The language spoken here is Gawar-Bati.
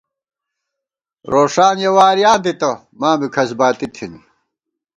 روݭان یَہ وارِیاں دِتہ ماں بی کھسباتی تھنی